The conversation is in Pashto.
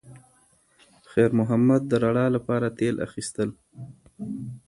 خیر محمد د رڼا لپاره تېل اخیستل.